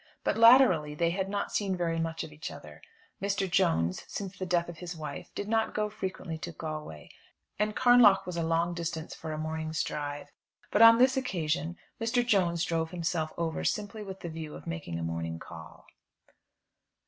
But latterly they had not seen very much of each other. Mr. Jones, since the death of his wife, did not go frequently to Galway, and Carnlough was a long distance for a morning's drive. But on this occasion Mr. Jones drove himself over simply with the view of making a morning call.